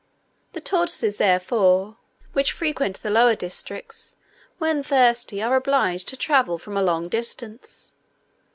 The tortoises, therefore, which frequent the lower districts, when thirsty, are obliged to travel from a long distance.